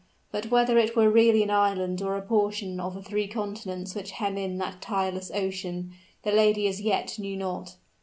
But whether it were really an island or a portion of the three continents which hem in that tideless ocean, the lady as yet knew not.